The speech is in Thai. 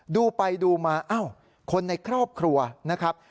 ดูไปดูมาอ้าวคนในครอบครัวนะครับ